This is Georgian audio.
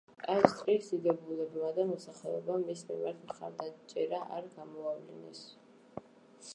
ავსტრიის დიდებულებმა და მოსახლეობამ მის მიმართ მხარდაჭერა არ გამოავლინეს.